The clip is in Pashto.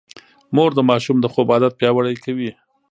مور د ماشوم د خوب عادت پياوړی کوي.